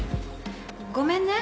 ごめんね。